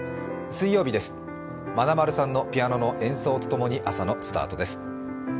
水曜日です、まなまるさんのピアノの演奏とともに朝のスタートです。